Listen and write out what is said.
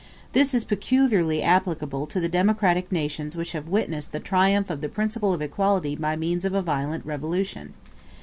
This is peculiarly applicable to the democratic nations which have witnessed the triumph of the principle of equality by means of a violent revolution.